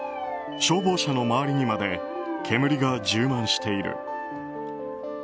消防車の周りにまで煙が充満している。